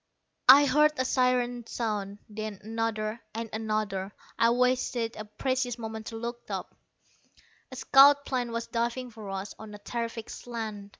I heard a siren sound, then another; and another. I wasted a precious moment to look up. A scout plane was diving for us, on a terrific slant.